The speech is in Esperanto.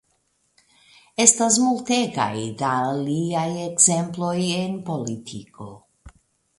Estas multegaj da aliaj ekzemploj en politiko.